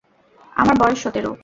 আমার বয়স সতেরো।